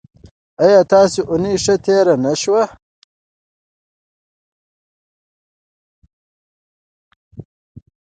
ایا ستاسو اونۍ ښه تیره نه شوه؟